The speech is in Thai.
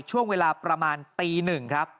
ช่วงเวลาประมาณตี๑ครับ